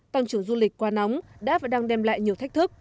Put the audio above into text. tăng trưởng du lịch qua nóng đã và đang đem lại nhiều thách thức